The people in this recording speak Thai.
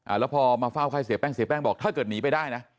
แล้วพอมาเฝ้าไข้เสียแป้งเสียแป้งบอกถ้าเกิดหนีไปได้นะ